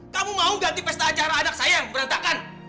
kamu mau ganti pesta acara anak saya yang berantakan